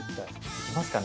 できますかね？